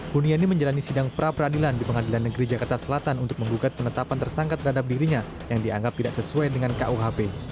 buniani menjalani sidang pra peradilan di pengadilan negeri jakarta selatan untuk menggugat penetapan tersangka terhadap dirinya yang dianggap tidak sesuai dengan kuhp